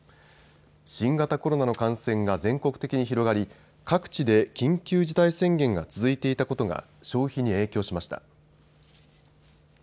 新型コロナの感染が全国的に広がり、各地で緊急事態宣言が続いていたことが消費に影響しました。